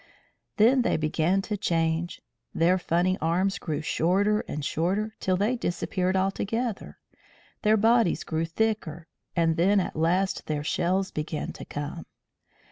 Then they began to change. Their funny arms grew shorter and shorter till they disappeared altogether; their bodies grew thicker; and then at last their shells began to come.